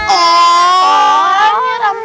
oh nyiram tanaman